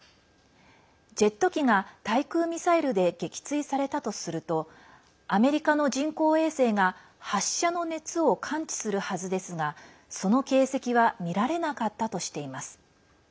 ジェット機が対空ミサイルで撃墜されたとするとアメリカの人工衛星が発射の熱を感知するはずですがその形跡は見られなかったとしています。